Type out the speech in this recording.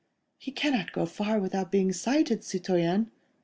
"He cannot go far without being sighted, citoyen."